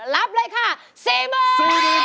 รับเลยค่ะ๔๐๐๐บาท